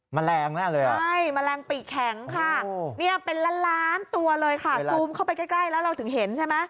แมลงแน่เลยใช่แมลงปีกแข็งค่ะเนี่ยเป็นล้านล้านตัวเลยค่ะซูมเข้าไปใกล้แล้วเราถึงเห็นใช่ไหม